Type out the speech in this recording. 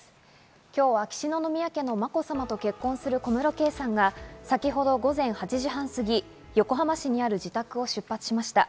今日、秋篠宮家のまこさまと結婚する小室圭さんが先ほど午前８時半過ぎ、横浜市にある自宅を出発しました。